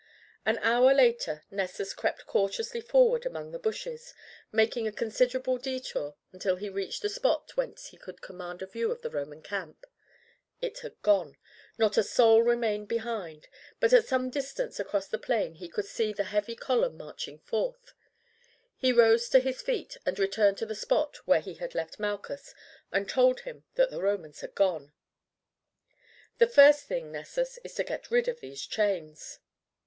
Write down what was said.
An hour later Nessus crept cautiously forward among the bushes, making a considerable detour until he reached the spot whence he could command a view of the Roman camp. It had gone, not a soul remained behind, but at some distance across the plain he could see the heavy column marching north. He rose to his feet and returned to the spot where he had left Malchus, and told him that the Romans had gone. "The first thing, Nessus, is to get rid of these chains."